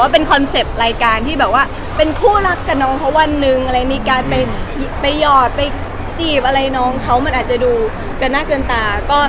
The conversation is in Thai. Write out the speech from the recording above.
เพื่อให้มีการไปยอดไปจีบอะไรน้องเค้ามันอาจจะดูกันหน้าเกินตาก็